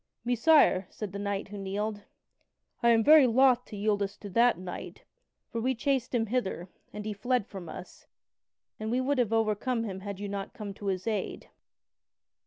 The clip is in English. "Messire," said the knight who kneeled: "I am very loth to yield us to that knight, for we chased him hither, and he fled from us, and we would have overcome him had you not come to his aid."